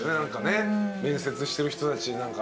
面接してる人たち。